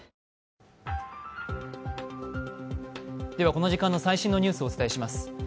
この時間の最新のニュースをお伝えします。